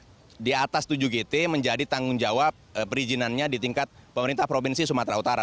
yang di atas tujuh gt menjadi tanggung jawab perizinannya di tingkat pemerintah provinsi sumatera utara